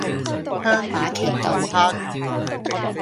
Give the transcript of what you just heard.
香葉魚露蝦球